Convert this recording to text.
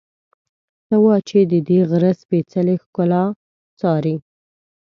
ته وا چې ددې غره سپېڅلې ښکلا څاري.